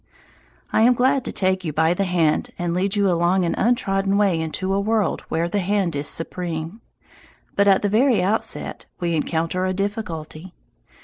I am glad to take you by the hand and lead you along an untrodden way into a world where the hand is supreme. But at the very outset we encounter a difficulty.